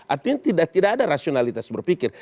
artinya tidak ada rasionalitas berpikir